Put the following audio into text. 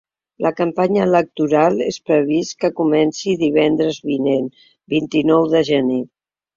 La campanya electoral és previst que comenci divendres vinent, vint-i-nou de gener.